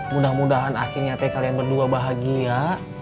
mudah mudahan akhirnya teh kalian berdua bahagia